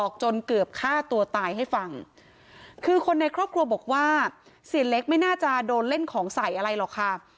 จนเกือบฆ่าตัวตายให้ฟังคือคนในครอบครัวบอกว่าเสียเล็กไม่น่าจะโดนเล่นของใส่อะไรหรอกค่ะ